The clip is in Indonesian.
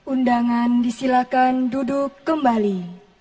undangan disilakan duduk kembali